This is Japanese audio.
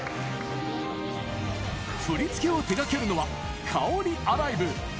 振り付けを手がけるのは、ＫＡＯＲＩａｌｉｖｅ。